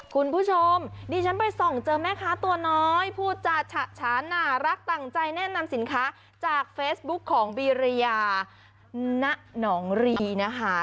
คุณผู้ชมดิฉันไปส่องเจอแม่ค้าตัวน้อยพูดจาฉะฉานน่ารักตั้งใจแนะนำสินค้าจากเฟซบุ๊คของบีริยาณหนองรีนะคะ